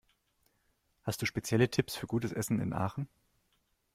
Hast du spezielle Tipps für gutes Essen in Aachen?